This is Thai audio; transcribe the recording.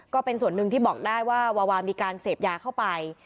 ก็เป็นส่วนหนึ่งที่บอกได้ว่าวาวามีการเสพยาเข้าไป